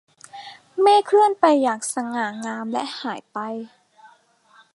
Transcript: เมฆเคลื่อนไปอย่างสง่างามและหายไป